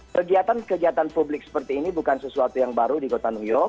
kegiatan kegiatan publik seperti ini bukan sesuatu yang baru di kota new york